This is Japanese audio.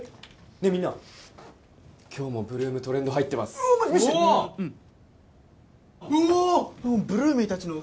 ねえみんな今日も８ＬＯＯＭトレンド入ってます見せてうんうお！